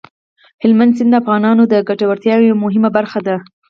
هلمند سیند د افغانانو د ګټورتیا یوه مهمه برخه ده.